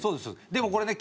でもこれね